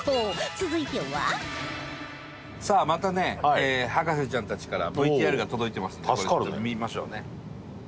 続いてはさあまたね博士ちゃんたちから ＶＴＲ が届いてますのでこれちょっと見ましょうね。